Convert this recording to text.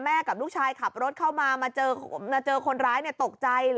แม่กับลูกชายขับรถเข้ามามาเจอมาเจอคนร้ายเนี้ยตกใจ